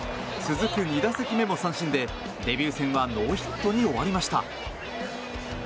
続く２打席目も三振でデビュー戦はノーヒットに終わりました。